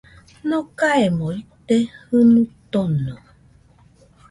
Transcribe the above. Nokaemo ite jɨnuo tono